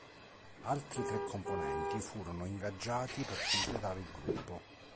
Altri tre componenti furono ingaggiati per completare il gruppo.